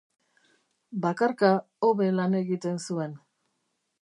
Bakarka hobe lan egiten zuen.